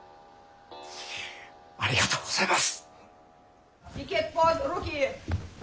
ありがとうございます！